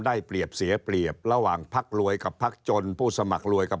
ได้เปรียบเสียเปรียบระหว่างพักรวยกับพักจนผู้สมัครรวยกับ